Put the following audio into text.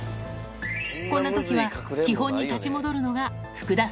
こんなときは、基本に立ち戻るのが福田